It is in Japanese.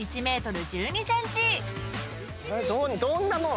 どんなもん？